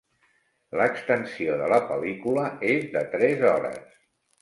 L'extensió de la pel·lícula és de tres hores.